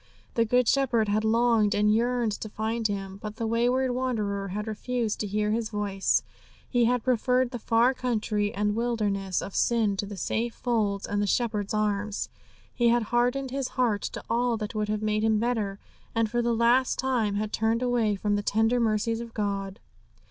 The Good Shepherd had longed and yearned to find him; but the wayward wanderer had refused to hear His voice, he had preferred the far country and wilderness of sin to the safe folds and the Shepherd's arms. He had hardened his heart to all that would have made him better, and for the last time had turned away from the tender mercies of God!